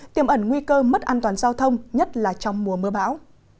tiêm ẩn nguy cơ mất an toàn giao thông nhất là trong mùa mưa bão